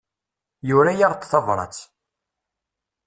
Yura-aɣ-d tabrat.